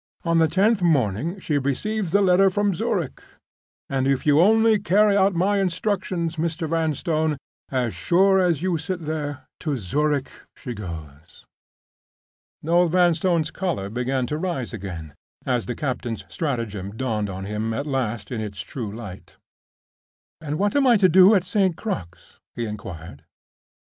On the tenth morning she receives the letter from Zurich; and if you only carry out my instructions, Mr. Vanstone, as sure as you sit there, to Zurich she goes." Noel Vanstone's color began to rise again, as the captain's stratagem dawned on him at last in its true light. "And what am I to do at St. Crux?" he inquired.